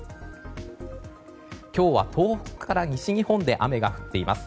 今日は、東北から西日本で雨が降っています。